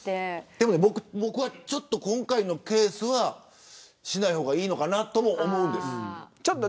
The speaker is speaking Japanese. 僕は、今回のケースはしない方がいいのかなと思うんです。